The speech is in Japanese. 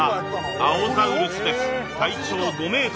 青ザウルスです、体長５ｍ。